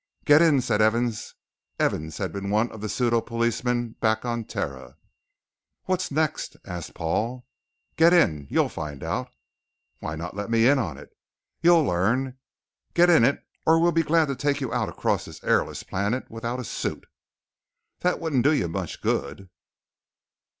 "Get in," said Evans. Evans had been one of the pseudo policemen back on Terra. "What's next?" asked Paul. "Get in you'll find out." "Why not let me in on it." "You'll learn. Get in it or we'll be glad to take you out across this airless planet without a suit." "That wouldn't do you much good."